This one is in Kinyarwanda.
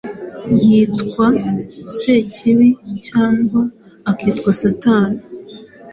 yitwa Sekibi, cyangwa akitwa Satani,